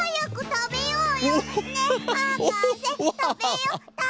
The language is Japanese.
たべよう！